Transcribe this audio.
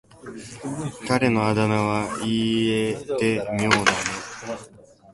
彼のあだ名は言い得て妙だよね。